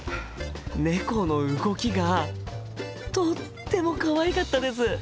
猫の動きがとってもかわいかったです！